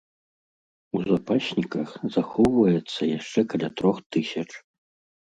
У запасніках захоўваецца яшчэ каля трох тысяч.